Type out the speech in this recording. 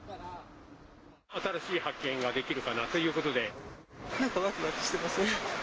新しい発見ができるかなといなんかわくわくしてますね。